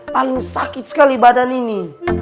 paling sakit sekali badan ini